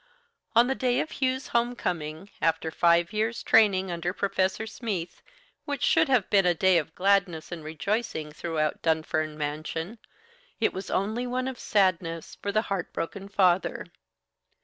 On the day of Hugh's home coming, after five years' training under Professor Smeath, which should have been a day of gladness and rejoicing throughout Dunfern Mansion, it was only one of sadness for the heart broken father.